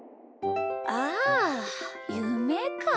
あゆめか。